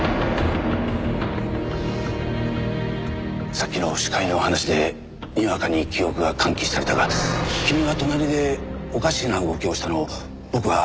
さっきの視界の話でにわかに記憶が喚起されたが君が隣でおかしな動きをしたのを僕は視界の端で捉えていた。